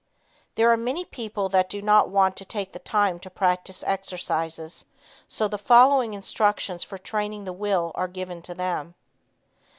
There are many people that do not want to take the time to practice exercises, so the following instructions for training the will are given to them.